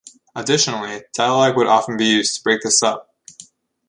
Additionally, dialogue would often be used to break this up.